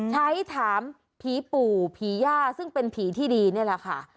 ถามผีปู่ผีย่าซึ่งเป็นผีที่ดีนี่แหละค่ะ